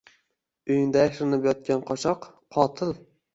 — Uyingda yashirinib yotgan qochoq — qotil!